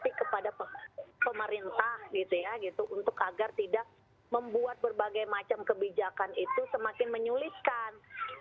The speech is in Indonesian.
tapi kepada pemerintah gitu ya gitu untuk agar tidak membuat berbagai macam kebijakan itu semakin menyulitkan